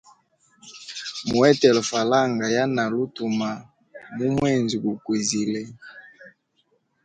Muhetele falanga yanali utuma mu mwezi gu kwizile.